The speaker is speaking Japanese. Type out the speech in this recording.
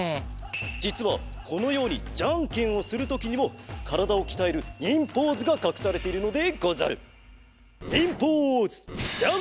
じつはこのようにじゃんけんをするときにもからだをきたえる忍ポーズがかくされているのでござる。